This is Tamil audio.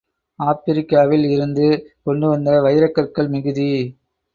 ஆப்பிரிக்காவில் இருந்து கொண்டுவந்த வைரக்கற்கள் மிகுதி.